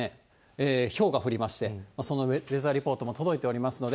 ひょうが降りまして、その映像、ウェザーリポートにも届いておりますので。